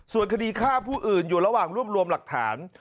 ส่วนคดีฆ่าผู้อื่นอยู่ระหว่างรวบรวมหลักฐาน